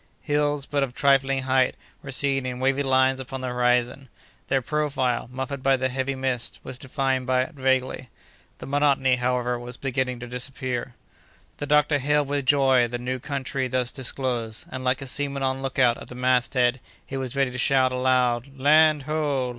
Hills, but of trifling height, were seen in wavy lines upon the horizon. Their profile, muffled by the heavy mist, was defined but vaguely. The monotony, however, was beginning to disappear. The doctor hailed with joy the new country thus disclosed, and, like a seaman on lookout at the mast head, he was ready to shout aloud: "Land, ho!